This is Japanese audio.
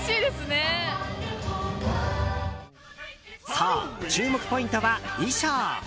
そう、注目ポイントは衣装。